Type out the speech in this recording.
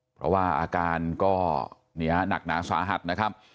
เพราะว่าอาการก็หนักหนาสาหัสนะครับ